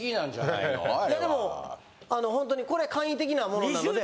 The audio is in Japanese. いやでもほんとにこれ簡易的なものなので。